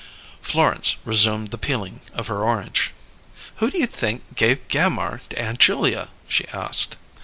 Florence resumed the peeling of her orange. "Who do you think gave Gammire to Aunt Julia?" she asked.